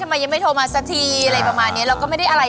ตามพี่อุลีออกอาการมากนะฮะ